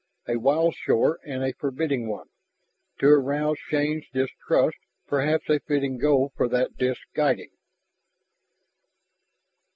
A wild shore and a forbidding one, to arouse Shann's distrust, perhaps a fitting goal for that disk's guiding.